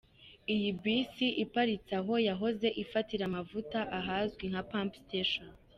Iyi bisi iparitse aho yahoze ifatira amavuta hazwi nka “pump station”.